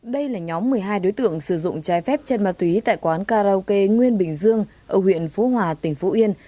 đây là nhóm một mươi hai đối tượng sử dụng trái phép chân ma túy tại quán karaoke nguyên bình dương ở huyện phú hòa tỉnh phú yên